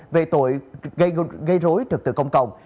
về tội gây rối thực tự công cộng